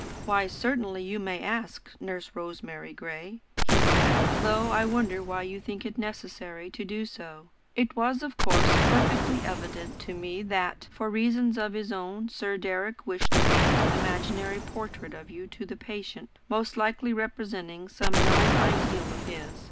"Why certainly you may ask, Nurse Rosemary Gray," he said, "though I wonder you think it necessary to do so. It was of course perfectly evident to me that, for reasons of his own, Sir Deryck wished to paint an imaginary portrait of you to the patient, most likely representing some known ideal of his.